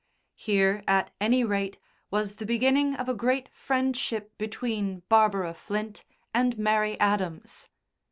Here, at any rate, was the beginning of a great friendship between Barbara Flint and Mary Adams.